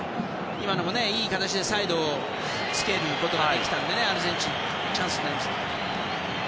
今のも、いい形でサイドつけることができてアルゼンチンのほうはチャンスになりましたね。